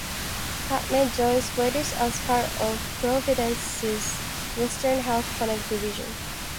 PacMed joined Swedish as part of Providence's Western HealthConnect division.